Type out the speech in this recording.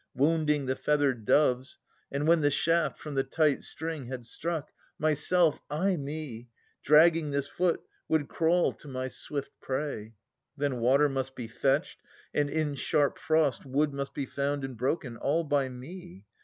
Wounding the feathered doves, and when the shaft. From the tight string, had struck, myself, ay me ! Dragging this foot, would crawl to my swift prey. Then water must be fetched, and in sharp frost Wood must be found and broken, — all by me.